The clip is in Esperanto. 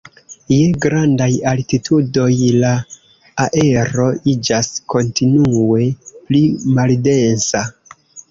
Je grandaj altitudoj la aero iĝas kontinue pli maldensa.